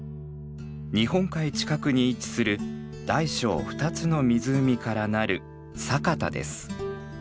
日本海近くに位置する大小２つの湖からなる佐潟です。